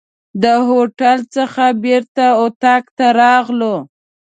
د هوټل څخه بیرته اطاق ته راغلو.